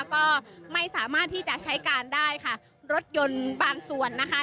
ก็ไม่สามารถที่จะใช้การได้ค่ะรถยนต์บางส่วนนะคะ